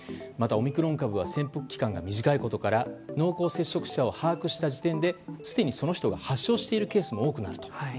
また、オミクロン株は潜伏期間が短いことから濃厚接触者を把握した時点ですでにその人が発症しているケースも多くあると。